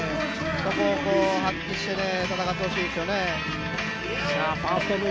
そこを発揮して戦ってほしいですね。